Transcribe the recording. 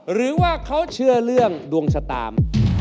หรือว่าเขาเชื่อเรื่องดวงชะตา